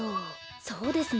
そうですね。